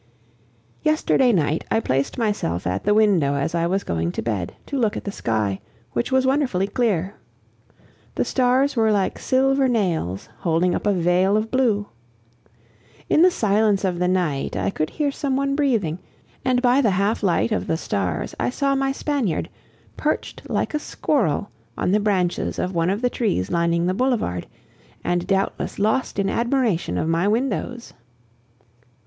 Yesterday night I placed myself at the window as I was going to bed, to look at the sky, which was wonderfully clear. The stars were like silver nails, holding up a veil of blue. In the silence of the night I could hear some one breathing, and by the half light of the stars I saw my Spaniard, perched like a squirrel on the branches of one of the trees lining the boulevard, and doubtless lost in admiration of my windows.